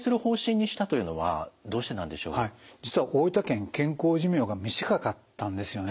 実は大分県健康寿命が短かったんですよね。